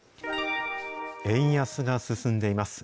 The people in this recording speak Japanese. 円安が進んでいます。